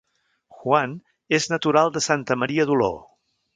Juan és natural de Santa Maria d'Oló